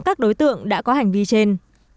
các đối tượng đã có hành vi trên